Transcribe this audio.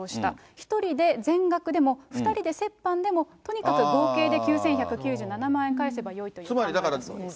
１人で全額でも２人で折半でも、とにかく合計で９１９７万円返せばよいという考えだそうです。